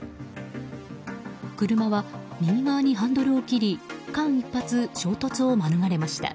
車は右側にハンドルを切り間一髪、衝突を免れました。